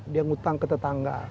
dia ngutang ke tetangga